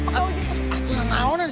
tidak ada masalah